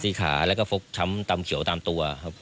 ขาแล้วก็ฟกช้ำตามเขียวตามตัวครับ